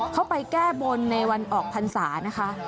เขาไปแก้บนในวันออกพรรษานะคะ